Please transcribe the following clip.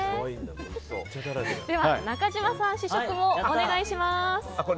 中島さん、試食をお願いします。